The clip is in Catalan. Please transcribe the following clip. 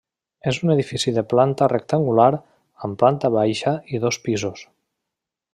És un edifici de planta rectangular, amb planta baixa i dos pisos.